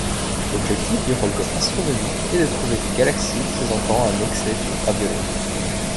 L'objectif du relevé astronomique est de trouver des galaxies présentant un excès d'ultraviolet.